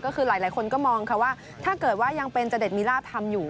ก็คือหลายคนก็มองค่ะว่าถ้าเกิดว่ายังเป็นจเด็ดมีลาบทำอยู่